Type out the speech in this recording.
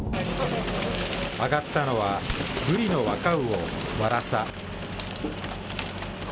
上がったのは、ブリの若魚、ワラサ。